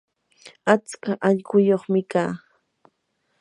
atska allquyuqmi kaa.